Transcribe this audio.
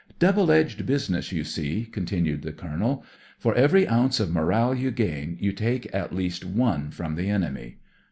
" Double edged business, you see," con tinued the Colonel. " For every ounce of moral you gain you take at least one from the enemy."